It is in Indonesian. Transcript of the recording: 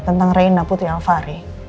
tentang reina putri alvari